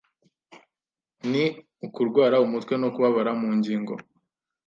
ni ukurwara umutwe no kubabara mu ngingo.